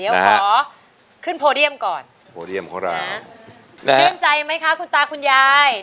เชื่อมใจมั้ยคะคุณตาคุณยาย